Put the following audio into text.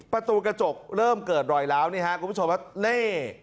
ประตูกระจกเริ่มเกิดรอยแล้วคุณผู้ชมว่านี่